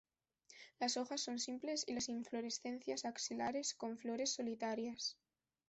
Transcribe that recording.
Las hojas son simples y las inflorescencias axilares con flores solitarias.